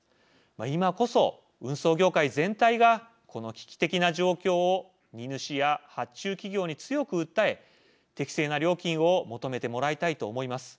今こそ運送業界全体がこの危機的な状況を荷主や発注企業に強く訴え適正な料金を求めてもらいたいと思います。